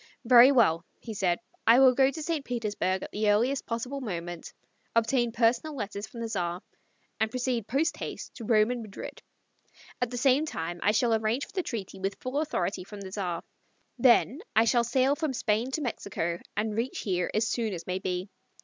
"Very well," he said. "I will go to St. Petersburg at the earliest possible moment, obtain personal letters from the Tsar and proceed post haste to Rome and Madrid. At the same time I shall arrange for the treaty with full authority from the Tsar. Then I shall sail from Spain to Mexico and reach here as soon as may be.